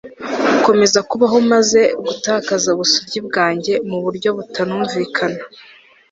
gukomeza kubaho maze gutakaza ubusugi bwanjye mu buryo butanumvikana